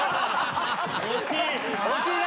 惜しい。